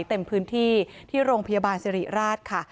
เต็มพื้นที่ที่โรงพยาบาลสิริราชค่ะ